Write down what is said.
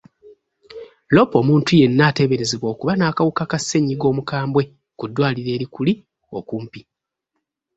Loopa omuntu yenna ateberezebwa okuba n'akawuka ka ssenyiga omukambwe ku ddwaliro eri kuli okumpi.